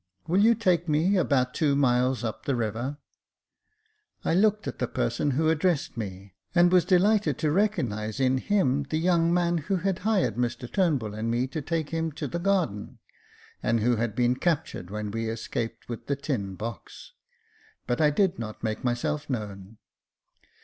Will you take me about two miles up the river .''" I looked at the person who addressed me, and was delighted to recognise in him the young man who had hired Mr Turnbull and me to take him to the garden, and who had been captured when we escaped with the tin box ; but I did not make myself known.